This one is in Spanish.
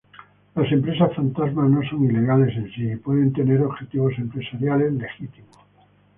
Las empresas fantasma no son ilegales en sí, y pueden tener objetivos empresariales legítimos.